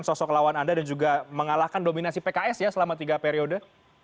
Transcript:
sosok lawan anda dan juga mengalahkan dominasi pks ya selama tiga periode